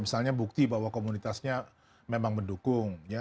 misalnya bukti bahwa komunitasnya memang mendukung